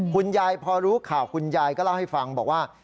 คุณยายพอรู้ข่าวคุณยายก็เล่าให้ฟังบอกว่า